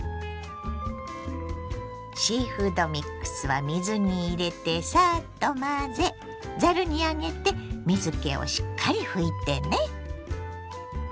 シーフードミックスは水に入れてサッと混ぜざるに上げて水けをしっかり拭いてね。